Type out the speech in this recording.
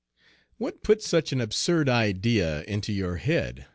"What put such an absurd idea into your head?"